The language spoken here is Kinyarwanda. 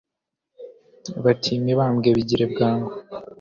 bati mibambwe bigire bwangu